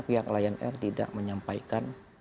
pihak lion air tidak menyampaikan